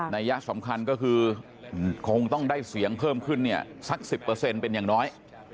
ัยยะสำคัญก็คือคงต้องได้เสียงเพิ่มขึ้นเนี่ยสัก๑๐เป็นอย่างน้อย